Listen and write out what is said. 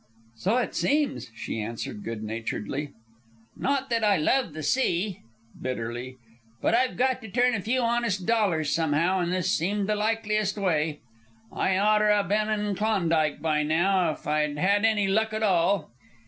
"So it seems," she answered, good naturedly. "Not that I love the sea," bitterly; "but I've got to turn a few honest dollars somehow, and this seemed the likeliest way. I oughter 'a ben in Klondike by now, if I'd had any luck at all.